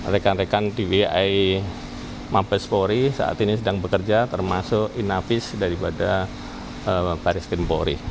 rekan rekan dbi mampes polri saat ini sedang bekerja termasuk inapis daripada baris tim polri